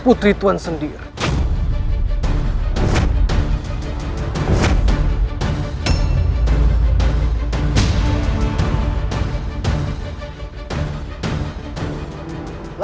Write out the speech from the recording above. putri tuhan sendiri